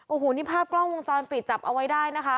โอ้โหนี่ภาพกล้องวงจรปิดจับเอาไว้ได้นะคะ